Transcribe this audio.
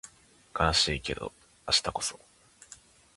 悲しいけど明日こそ